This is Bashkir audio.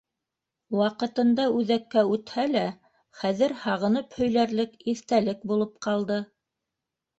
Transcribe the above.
Ваҡытында үҙәккә үтһә лә хәҙер һағынып һөйләрлек иҫтәлек булып ҡалды